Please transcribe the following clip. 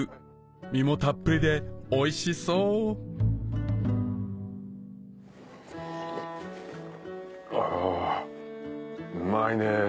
身もたっぷりでおいしそうあうまいねぇ。